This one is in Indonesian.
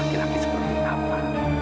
akhir akhir seperti apa